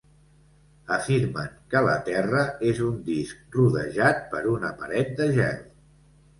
Afirmen que la Terra és un disc rodejat per una paret de gel.